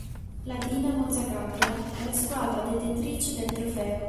La Dinamo Zagabria è la squadra detentrice del trofeo.